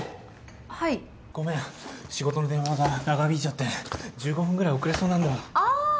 はいごめん仕事の電話が長引いちゃって１５分ぐらい遅れそうなんだああ